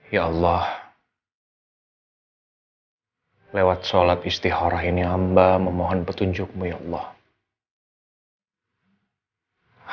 ya allah lewat sholat istiqorah ini mba memohon petunjukmu ya allah